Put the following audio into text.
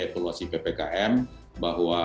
evaluasi ppkm bahwa